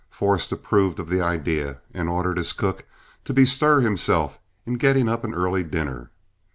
Forrest approved of the idea, and ordered his cook to bestir himself in getting up an early dinner.